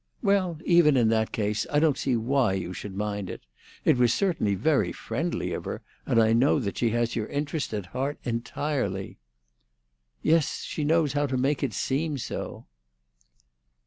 "Well, even in that case, I don't see why you should mind it. It was certainly very friendly of her, and I know that she has your interest at heart entirely." "Yes; she knows how to make it seem so."